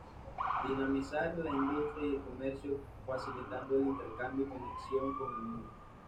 Dinamizar la industria y el comercio, facilitando el intercambio y conexión con el mundo.